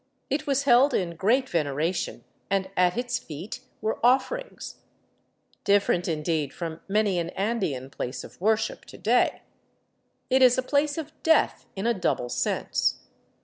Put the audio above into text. It was held in great veneration and at its feet were offerings." Different, indeed, from many an Andean place of worship to day! It is a place of death in a double sense.